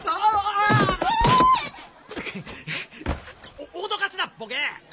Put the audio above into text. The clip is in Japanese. おおどかすなボケ！